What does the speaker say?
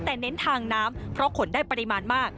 แต่เน้นทางน้ำเพราะขนได้ปริมาณมาก